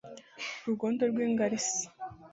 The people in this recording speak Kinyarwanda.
Rugondo rw'ingarisi